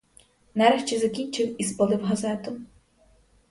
Нарешті закінчив і спалив газету.